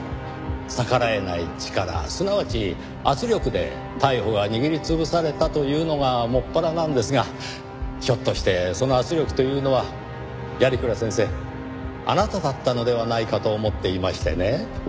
逆らえない力すなわち圧力で逮捕が握り潰されたというのが専らなんですがひょっとしてその圧力というのは鑓鞍先生あなただったのではないかと思っていましてね。